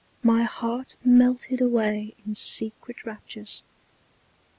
My Heart melted away in secret Raptures.